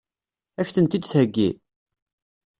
Ad k-tent-id-theggi?